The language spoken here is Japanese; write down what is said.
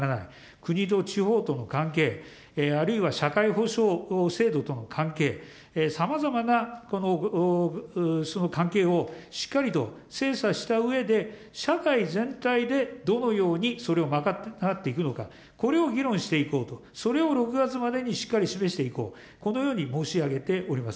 国と地方との関係、あるいは社会保障制度との関係、さまざまなその関係をしっかりと精査したうえで、社会全体でどのようにそれを賄っていくのか、これを議論していこうと、それを６月までにしっかり示していこう、このように申し上げております。